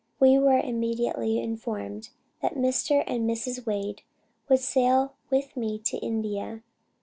We were immediately informed that Mr. and Mrs. Wade would sail with me to India.